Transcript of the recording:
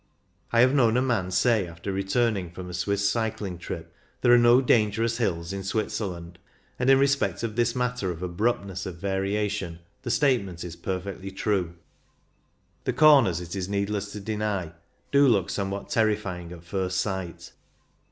I have known a man say, after returning from a Swiss cycling trip, " There are no dangerous hills in Switzerland," and in respect of this matter of abruptness of variation the statement is perfectly true. The corners, it is needless to deny, do look somewhat terrifying at first sight.